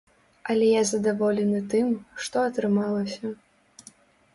Але я задаволены тым, што атрымалася.